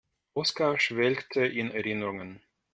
Oskar schwelgte in Erinnerungen.